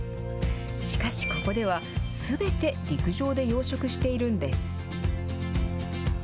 しかしここでは、すべて陸上で養殖しているんです。